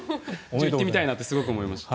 行ってみたいなってすごく思いました。